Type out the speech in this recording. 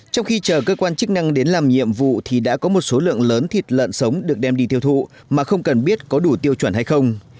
trong khi chờ cơ quan chức năng đến làm nhiệm vụ thì đã có một số lượng lớn thịt lợn sống được đem đi tiêu thụ mà không cần biết có đủ tiêu chuẩn hay không